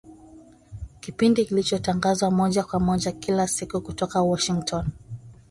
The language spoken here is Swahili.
kipindi kilichotangazwa moja kwa moja kila siku kutoka Washington